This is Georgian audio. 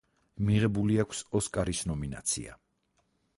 მიღებული აქვს ოსკარის ნომინაცია.